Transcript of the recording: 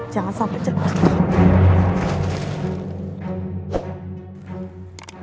jangan sampai jatuh